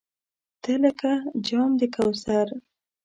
تۀ لکه جام د کوثر !